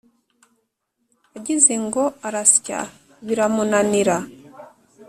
agize ngo arasya biramunanira,